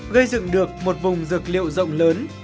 gây dựng được một vùng dược liệu rộng lớn